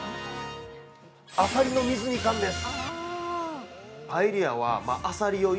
あさりの水煮缶です。